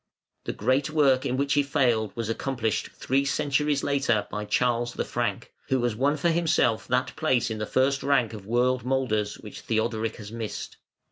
The great work in which he failed was accomplished three centuries later by Charles the Frank, who has won for himself that place in the first rank of world moulders which Theodoric has missed.